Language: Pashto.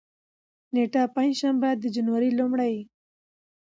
نېټه: پنجشنبه، د جنوري لومړۍ